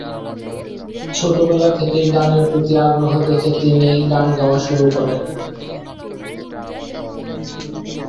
ছোটবেলা থেকেই গানের প্রতি আগ্রহ দেখে তিনি গান গাওয়া শুরু করেন।